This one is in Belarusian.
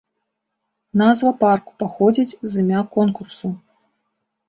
Назва парку паходзіць з імя конкурсу.